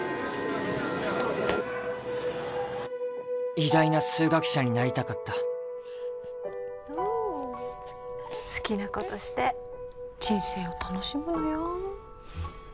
偉大な数学者になりたかった好きなことして人生を楽しむのよ